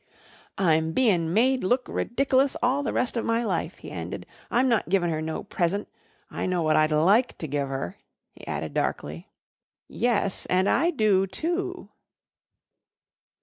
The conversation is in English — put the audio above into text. "I'm bein' made look ridiclus all the rest of my life," he ended. "I'm not givin' her no present. I know what I'd like to give her," he added darkly. "Yes, and I do, too."